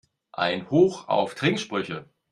Ein Hoch auf Trinksprüche!